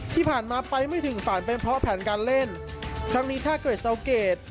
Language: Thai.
ที่ผ่านมาไปไม่ถึงฝันเป็นเพราะแผนการเล่นครั้งนี้ถ้าเกรดเสาเกด